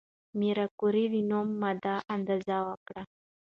ماري کوري د نوې ماده اندازه وکړه.